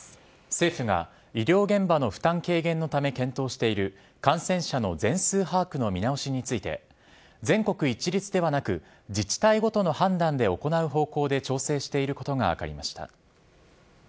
政府が医療現場の負担軽減のため検討している感染者の全数把握の見直しについて全国一律ではなく自治体ごとの判断で行う方向で調整していることが分かりました。